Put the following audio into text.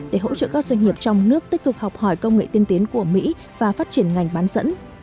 để hỗ trợ các doanh nghiệp trong nước tích cực học hỏi công nghệ tiên tiến của mỹ và phát triển ngành bán dẫn